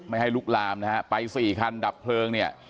ไม่ให้ลุกลามนะฮะไปสี่คันดับเพลิงเนี่ย